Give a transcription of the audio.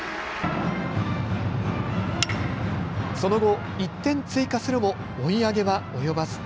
その後、１点追加するも追い上げは及ばず。